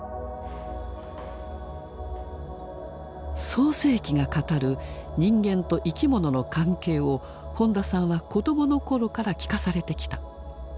「創世記」が語る人間と生き物の関係を本田さんは子どもの頃から聞かされてきた。